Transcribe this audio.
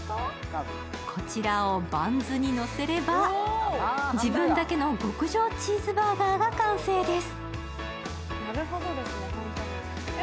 こちらをバンズにのせれば、自分だけの極上チーズバーガーが完成です。